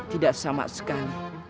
tidak sama sekali